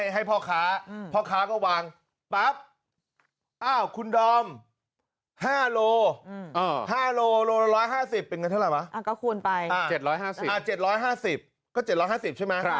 ให้พ่อค้าก็วางปั๊บคุณดอม๕โลโล๑๕๐ก็๗๕๐ใช่ไหม